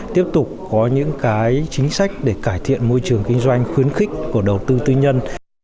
tiếp tục có những cái chính sách để cải thiện môi trường kinh doanh khuyến khích của đầu tư tư nhân